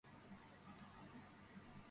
ყველაზე მაღალია მწუხარე ქალის გამოსახულება.